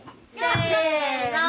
せの。